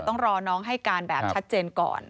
ต้องรอน้องให้การแบบชัดเจนก่อน